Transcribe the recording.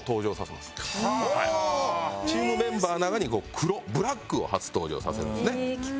チームメンバーの中に黒ブラックを初登場させるんですね。